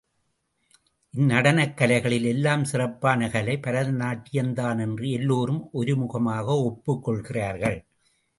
இந்நடனக் கலைகளில் எல்லாம் சிறப்பான கலை பரத நாட்டியம்தான் என்று எல்லோரும் ஒருமுகமாக ஒப்புக் கொள்கிறார்கள்.